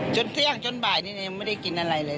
เที่ยงจนบ่ายนี้ยังไม่ได้กินอะไรเลย